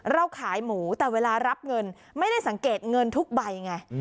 เราขายหมูแต่เวลารับเงินไม่ได้สังเกตเงินทุกใบไง